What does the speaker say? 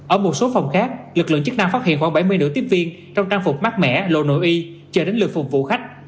ở một số phòng khác lực lượng chức năng phát hiện khoảng bảy mươi nữ tiếp viên trong trang phục mát mẻ lộ nội y chờ đến lượt phục vụ khách